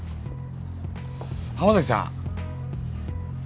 濱崎さん。